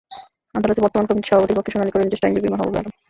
আদালতে বর্তমান কমিটির সভাপতির পক্ষে শুনানি করেন জ্যেষ্ঠ আইনজীবী মাহবুবে আলম।